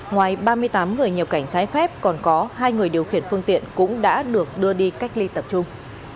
ngoài ba mươi tám người nhập cảnh trái phép còn có hai người điều khiển phương tiện cũng đã được đưa đi cách ly tập trung